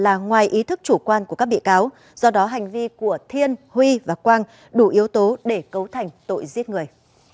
việc hiếu không chết là ngoài ý thức chủ quan của các bị cáo do đó hành vi của thiên huy và quang đủ yếu tố để cấu thành tội giết người